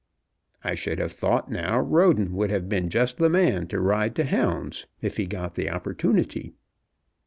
I should have thought now Roden would have been just the man to ride to hounds, if he got the opportunity."